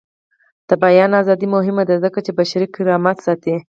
د بیان ازادي مهمه ده ځکه چې بشري کرامت ساتي.